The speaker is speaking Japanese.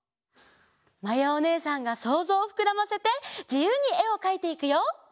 まやおねえさんがそうぞうをふくらませてじゆうにえをかいていくよ！